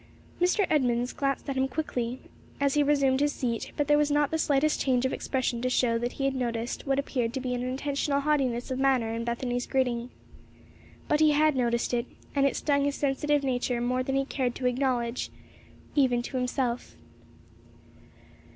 Mr. Edmunds glanced at him quickly, as he resumed his seat; but there was not the slightest change of expression to show that he had noticed what appeared to be an intentional haughtiness of manner in Bethany's greeting. But he had noticed it, and it stung his sensitive nature more than he cared to acknowledge, even to himself.